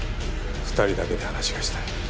２人だけで話がしたい。